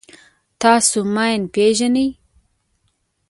تاسو ماین پېژنئ.